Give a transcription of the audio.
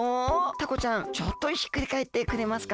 タコちゃんちょっとひっくりかえってくれますか？